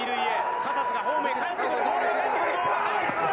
カサスがホームへかえってくる。